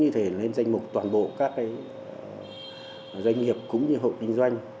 để lên danh mục toàn bộ các doanh nghiệp cũng như hộp kinh doanh